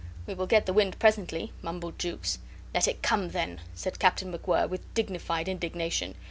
"We will get the wind presently," mumbled Jukes. "Let it come, then," said Captain MacWhirr, with dignified indignation.